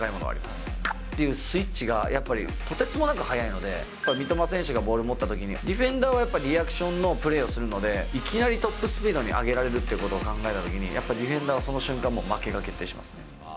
かっというスイッチがやっぱりとてつもなく速いので、三笘選手がボール持ったときにディフェンダーはやっぱりのプレーをするので、いきなりトップスピードに上げられるということを考えたときに、やっぱディフェンダーはそのときに負けが決定しますね。